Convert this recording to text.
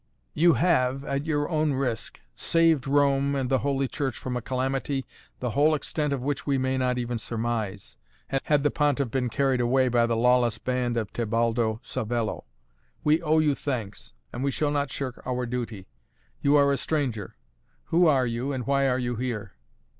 "You have at your own risk saved Rome and Holy Church from a calamity the whole extent of which we may not even surmise, had the Pontiff been carried away by the lawless band of Tebaldo Savello. We owe you thanks and we shall not shirk our duty. You are a stranger. Who are you and why are you here?"